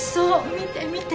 見て見て。